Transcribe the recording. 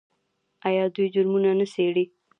آیا دوی جرمونه نه څیړي؟